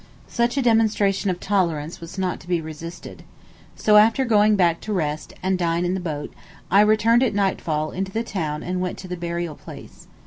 Such a demonstration of tolerance was not to be resisted. So after going back to rest, and dine in the boat, I returned at nightfall into the town and went to the burial place.